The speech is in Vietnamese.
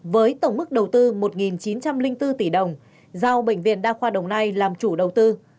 với tổng mức đầu tư một chín trăm linh bốn tỷ đồng giao bệnh viện đa khoa đồng nai làm chủ đầu tư